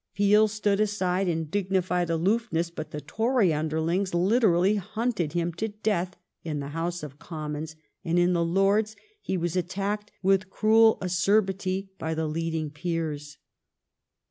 Peel stood aside in dignified aloofness, but the Tory underlings literally hunted him to death in the House of Commons, and in the Lords he was at tacked with cruel acerbity by the leading Peers.